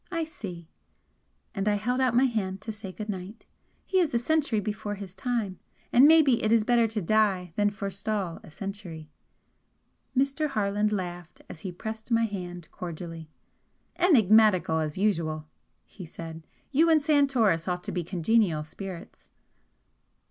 "I see!" And I held out my hand to say good night. "He is a century before his time, and maybe it is better to die than forestall a century." Mr. Harland laughed as he pressed my hand cordially. "Enigmatical, as usual!" he said "You and Santoris ought to be congenial spirits!"